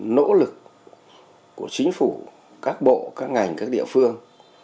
nỗ lực của chính phủ các bộ các ngành các địa phương